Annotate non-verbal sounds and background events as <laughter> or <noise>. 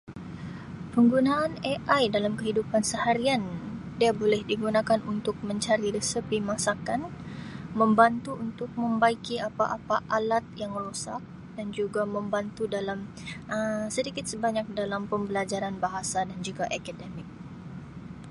"Penggunaan ""AI"" dalam kehidupan seharian dia boleh digunakan untuk mencari resepi masakan membantu untuk membaiki apa-apa alat yang rosak dan juga membantu dalam <noise> Um sedikit sebanyak dalam pembelajaran bahasa dan juga akademik. "